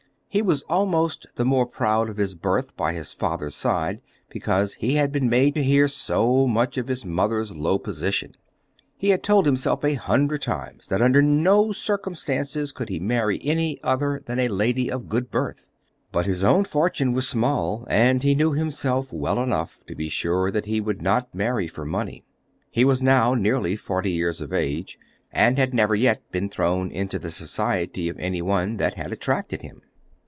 He was almost the more proud of his birth by his father's side, because he had been made to hear so much of his mother's low position. He had told himself a hundred times that under no circumstances could he marry any other than a lady of good birth. But his own fortune was small, and he knew himself well enough to be sure that he would not marry for money. He was now nearly forty years of age and had never yet been thrown into the society of any one that had attracted him.